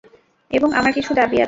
এবং আমার কিছু দাবি আছে।